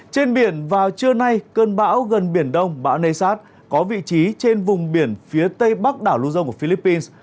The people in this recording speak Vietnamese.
trên biển vào trưa nay cơn bão gần biển đông bão nessat có vị trí trên vùng biển phía tây bắc đảo luzon của philippines